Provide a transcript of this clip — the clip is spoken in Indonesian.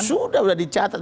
sudah udah dicatat